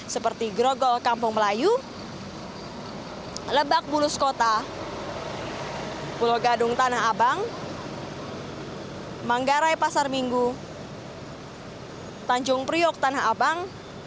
seperti grogol kampung melayu lebak bulus kota pulau gadung tanah abang manggarai pasar minggu tanjung priok tanah abang